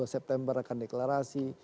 september akan deklarasi